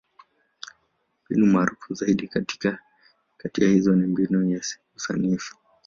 Mbinu maarufu zaidi kati ya hizo ni Mbinu ya Siku Sanifu.